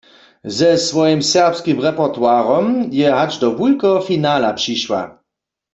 Ze swojim serbskim repertoirom je hač do wulkeho finala přišła.